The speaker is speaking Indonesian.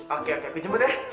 oke aku jemput ya